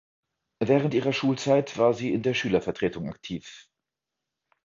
Während ihrer Schulzeit war sie in der Schülervertretung aktiv.